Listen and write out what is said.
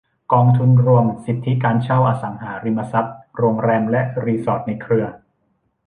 กองทุนรวมสิทธิการเช่าอสังหาริมทรัพย์โรงแรมและรีสอร์ทในเครือ